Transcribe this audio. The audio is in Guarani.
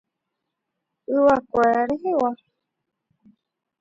Yvakuéra rehegua.